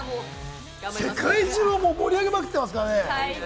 世界中を盛り上げまくってますからね。